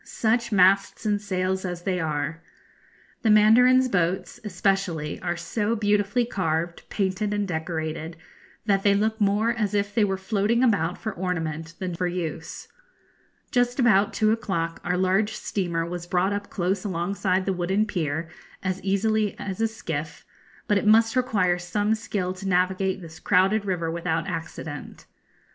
Such masts and sails as they are! The mandarins' boats, especially, are so beautifully carved, painted, and decorated, that they look more as if they were floating about for ornament than for use. Just about two o'clock our large steamer was brought up close alongside the wooden pier as easily as a skiff, but it must require some skill to navigate this crowded river without accident.